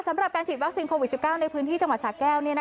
สำหรับการฉีดวัคซีนโควิด๑๙ในพื้นที่จังหวัดสาแก้ว